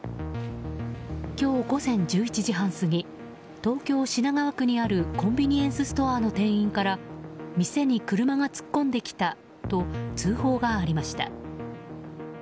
今日午前１１時半過ぎ東京・品川区にあるコンビニエンスストアの店員から店に車が突っ込んできたと通報がありました。